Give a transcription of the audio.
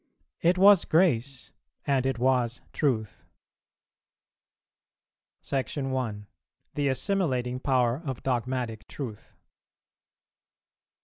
It was Grace, and it was Truth. § 1. _The Assimilating Power of Dogmatic Truth.